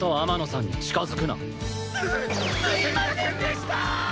すすいませんでしたー！